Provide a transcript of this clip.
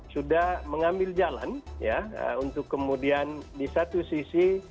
sudah mengambil jalan ya untuk kemudian di satu sisi